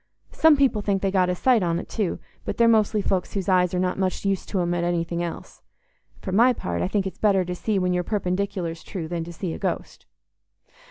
Some people think they get a sight on't too, but they're mostly folks whose eyes are not much use to 'em at anything else. For my part, I think it's better to see when your perpendicular's true than to see a ghost."